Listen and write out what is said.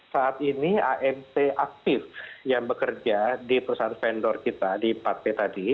saat ini amt aktif yang bekerja di perusahaan vendor kita di empat p tadi